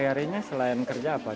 tidak pernah keluar ke rumah